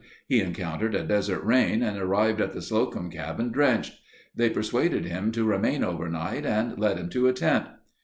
He encountered a desert rain and arrived at the Slocum cabin drenched. They persuaded him to remain overnight and led him to a tent.